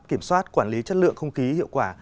kiểm soát quản lý chất lượng không khí hiệu quả